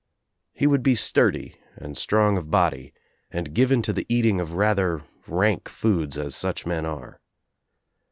He would be sturdy and strong of body and given to the eating of rather rank foods, as such men are.